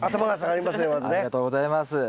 ありがとうございます。